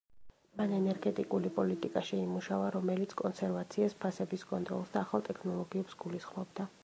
მან ენერგეტიკული პოლიტიკა შეიმუშავა, რომელიც კონსერვაციას, ფასების კონტროლს და ახალ ტექნოლოგიებს გულისხმობდა.